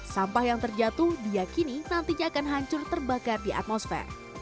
sampah yang terjatuh diakini nantinya akan hancur terbakar di atmosfer